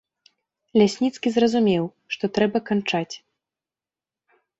Лясніцкі зразумеў, што трэба канчаць.